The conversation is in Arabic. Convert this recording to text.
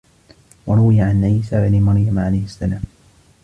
وَرُوِيَ عَنْ عِيسَى ابْنِ مَرْيَمَ عَلَيْهِ السَّلَامُ